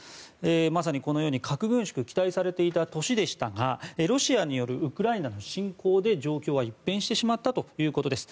まさにこのように核軍縮が期待されていた年でしたがロシアによるウクライナ侵攻で状況は一変してしまったということです。